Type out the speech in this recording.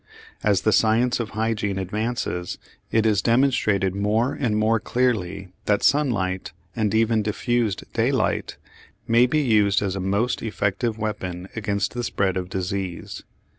As the science of hygiene advances it is demonstrated more and more clearly that sunlight and even diffused daylight may be used as a most effective weapon against the spread of disease.